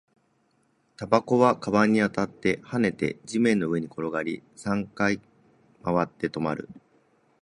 タバコは僕の革靴に当たって、跳ねて、地面の上に転がり、三回回って、止まる